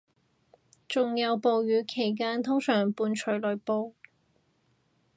仲有暴雨期間通常伴隨雷暴